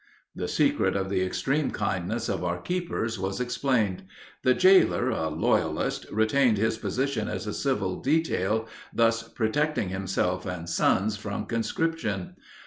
The secret of the extreme kindness of our keepers was explained. The jailer, a loyalist, retained his position as a civil detail, thus protecting himself and sons from conscription.